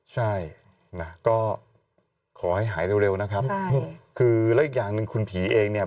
ใช่นะก็ขอให้หายเร็วนะครับคือแล้วอีกอย่างหนึ่งคุณผีเองเนี่ย